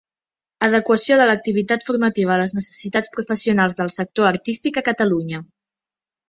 Adequació de l'activitat formativa a les necessitats professionals del sector artístic a Catalunya.